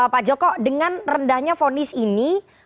pak joko dengan rendahnya vonis ini